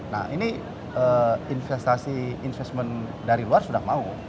nah ini investasi investment dari luar sudah mau